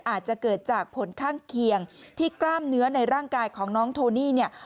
อาจจะเกิดจากผลข้างเคียงที่กล้ามเนื้อในร่างกายของน้องโทนี่เนี่ย